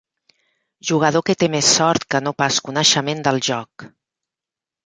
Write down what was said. Jugador que té més sort que no pas coneixement del joc.